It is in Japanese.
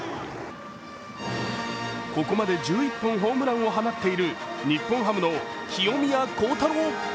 ここまで１１本ホームランを放っている日本ハムの清宮幸太郎。